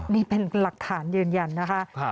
นี่เป็นหลักฐานยืนยันนะคะ